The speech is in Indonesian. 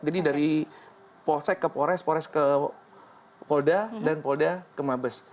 jadi dari polsek ke polres polres ke polda dan polda ke mabes